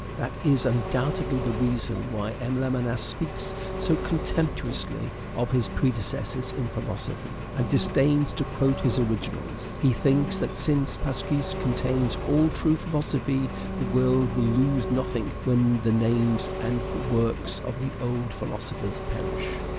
That is undoubtedly the reason why M. Lamennais speaks so contemptuously of his predecessors in philosophy, and disdains to quote his originals. He thinks that, since "L'Esquisse" contains all true philosophy, the world will lose nothing when the names and works of the old philosophers perish.